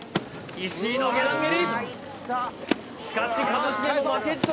一茂の下段蹴り